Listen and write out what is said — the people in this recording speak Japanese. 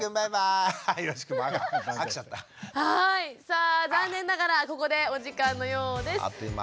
さあ残念ながらここでお時間のようです。